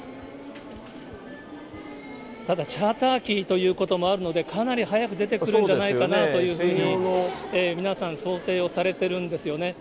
ただ、チャーター機ということもあるので、かなり早く出てくるんじゃないかなというふうに、皆さん、想定をされてるんですよね。